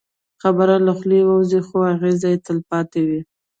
خبره له خولې ووځي، خو اغېز یې تل پاتې وي.